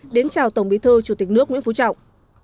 đến chào tổng bí thư chủ tịch nước nguyễn phú trọng